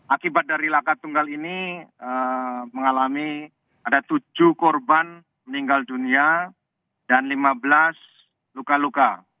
akibat dari laka tunggal ini mengalami ada tujuh korban meninggal dunia dan lima belas luka luka